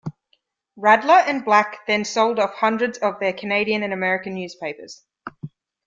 Radler and Black then sold off hundreds of their Canadian and American newspapers.